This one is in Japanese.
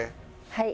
はい。